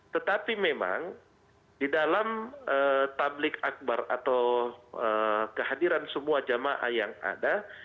tetapi memang di dalam tablik akbar atau kehadiran semua jamaah yang ada